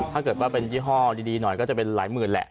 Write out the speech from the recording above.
ถ้าเกิดว่าเป็นยี่ห้อดีหน่อยก็จะเป็นหลายหมื่นแหละ